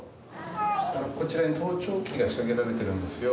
こちらに盗聴器が仕掛けられてるんですよ。